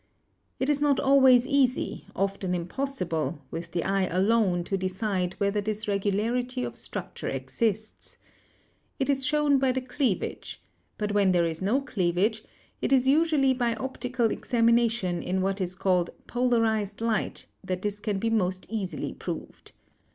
It is not always easy, often impossible, with the eye alone to decide whether this regularity of structure exists. It is shown by the cleavage; but when there is no cleav age it is usually by optical examination in what is called polarized light that this can be most easily proved.